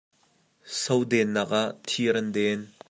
Sodennak ah thir an den.